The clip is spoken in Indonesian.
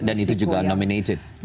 dan itu juga nominated waktu itu